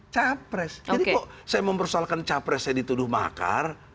jadi kok saya mempersoalkan capres saya dituduh makar